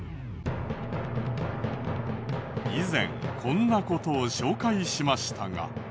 以前こんな事を紹介しましたが。